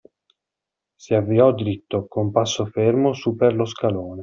Si avviò diritto, con passo fermo su per lo scalone.